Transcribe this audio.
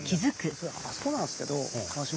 そうだあそこなんですけど。